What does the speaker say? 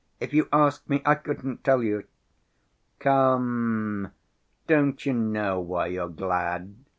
If you ask me, I couldn't tell you." "Come, don't you know why you're glad?"